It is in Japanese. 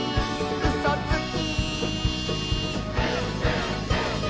「うそつき！」